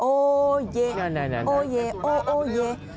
โอเยะโอเยโอเย้